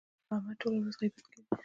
احمد ټوله ورځ غیبت کوي.